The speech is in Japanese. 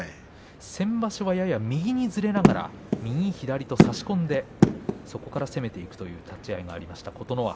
先場所はやや右にずれながら右左と差し込んでそこから攻めていくという立ち合いがありました、琴ノ若。